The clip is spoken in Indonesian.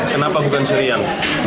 kenapa bukan si rian